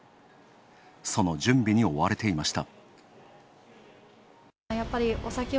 その準備に追われていました。